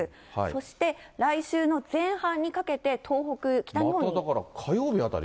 そして、来週の前半にかけて、東北、北日本に。